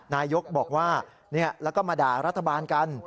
นายกบอกว่าแล้วก็มาด่ารัฐบาลกัน